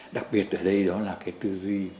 đặc biệt ở đây đó là cái tư duy